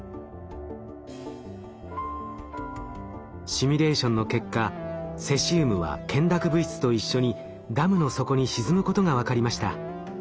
シミュレーションの結果セシウムは懸濁物質と一緒にダムの底に沈むことが分かりました。